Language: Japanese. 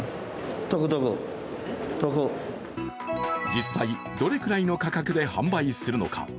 実際、どれくらいの価格で販売するのか。